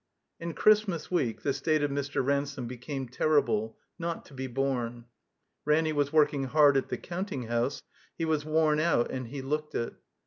In Christmas week the state of Mr. Ransome be came terrible, not to be borne. Ranny was working hard at the counting house; he was worn out, and he looked it.